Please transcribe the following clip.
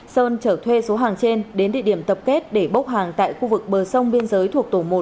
sơn trở thuê số hàng trên đến địa điểm tập kết để bốc hàng tại khu vực bờ sông biên giới thuộc tổ một